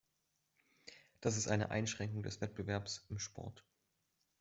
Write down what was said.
Das ist eine Einschränkung des Wettbewerbs im Sport.